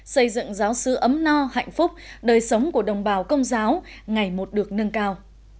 xây dựng giáo sứ ấm no hạnh phúc đời sống của đồng bào công giáo ngày một được nâng cao